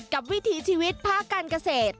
วิถีชีวิตภาคการเกษตร